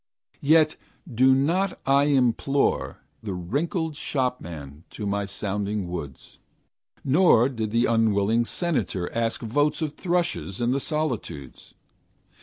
Yet do not I implore The wrinkled shopman to my sounding woods, Nor bid the unwilling senator Ask votes of thrushes in the solitudes.